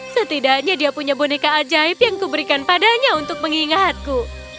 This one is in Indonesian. setidaknya dia punya boneka ajaib yang kuberikan padanya untuk mengingatku